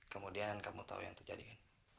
kemudian kamu tahu yang terjadi kan